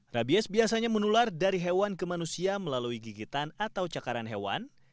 rabies biasanya menular dari hewan ke manusia melalui gigitan atau cakaran hewan